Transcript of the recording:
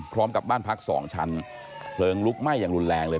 พร้อมกับบ้านพักสองชั้นเพลิงลุกไหม้อย่างรุนแรงเลย